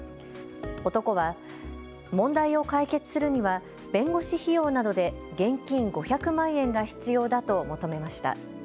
男は問題を解決するには弁護士費用などで現金５００万円が必要だと求めました。